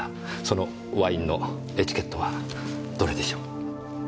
そのワインのエチケットはどれでしょう？